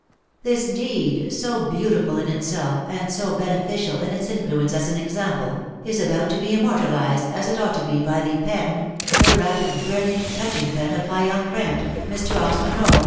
This deed, so beautiful in itself, and so beneficial in its influence as an example, is about to be immortalized as it ought to be, by the pen, the rapid, brilliant, touching pen of my young friend, Mr. Osmond Norval.